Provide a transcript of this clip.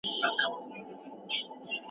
ټولنیز علوم د انسانانو د اړیکو علم دی.